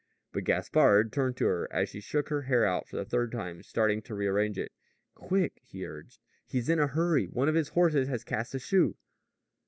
But Gaspard turned to her as she shook her hair out for the third time, starting to rearrange it. "Quick!" he urged. "He's in a hurry. One of his horses has cast a shoe."